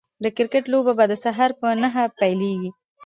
د کرکټ لوبه به د سهار په نهه پيليږي